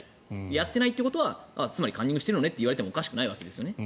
やってないということはカンニングしたのねと言われても仕方がないわけですね。